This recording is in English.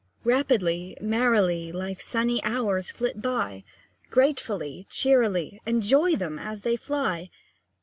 Rapidly, merrily, Life's sunny hours flit by, Gratefully, cheerily Enjoy them as they fly!